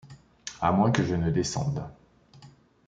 À moins que je ne descende.